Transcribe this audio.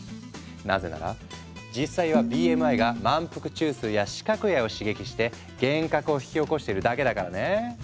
なぜなら実際はＢＭＩが満腹中枢や視覚野を刺激して幻覚を引き起こしてるだけだからね。